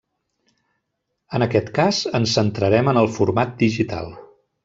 En aquest cas, ens centrarem en el format digital.